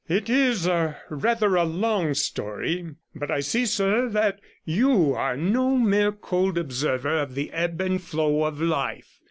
It is rather a long story, but I see, sir, that you are no mere cold observer of the ebb and flow of life.